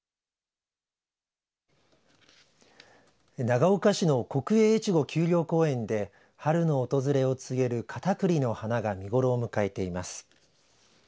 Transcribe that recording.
長岡市の国営越後丘陵公園で春の訪れを告げるカタクリの花が見頃を迎えています。